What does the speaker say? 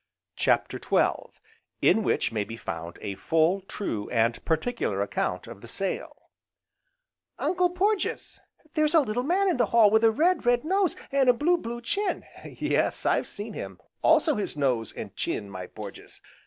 CHAPTER XII In which may be found a full, true, and particular account of the sale "Uncle Porges, there's a little man in the hall with a red, red nose, an' a blue, blue chin, " "Yes, I've seen him, also his nose, and chin, my Porges."